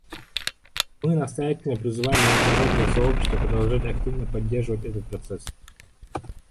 Мы настоятельно призываем международное сообщество продолжать активно поддерживать этот процесс.